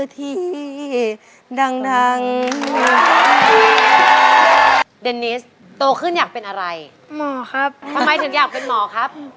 ทำไมถึงอยากเป็นหมอครับ